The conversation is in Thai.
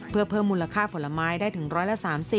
เพื่อเพิ่มมูลค่าผลไม้ได้ถึง๑๓๐